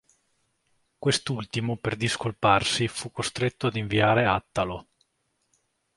Quest'ultimo per discolparsi fu costretto ad inviare Attalo.